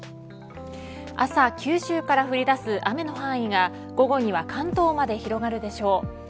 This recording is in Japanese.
朝、九州から降り出す雨の範囲が午後には関東まで広がるでしょう。